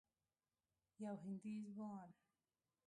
یو هندي ځوان